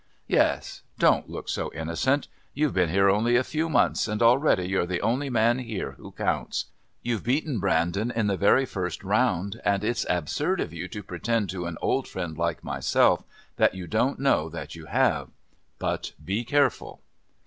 "Yes. Don't look so innocent. You've been here only a few months and already you're the only man here who counts. You've beaten Brandon in the very first round, and it's absurd of you to pretend to an old friend like myself that you don't know that you have. But be careful."